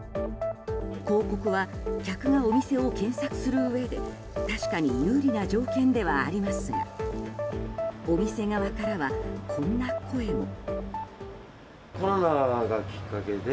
広告は客がお店を検索するうえで確かに有利な条件ではありますがお店側からは、こんな声も。